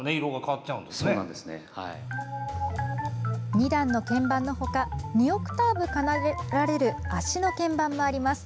２段の鍵盤のほか２オクターブ奏でられる足の鍵盤もあります。